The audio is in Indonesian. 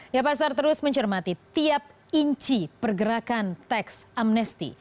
ya pasar terus mencermati tiap inci pergerakan tax amnesty